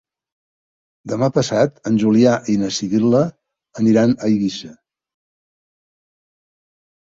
Demà passat en Julià i na Sibil·la aniran a Eivissa.